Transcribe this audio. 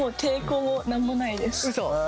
うそ？